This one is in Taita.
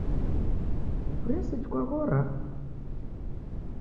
W'uria seji kwaghora?